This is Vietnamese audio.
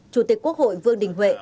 chủ tịch quốc hội vương đình huệ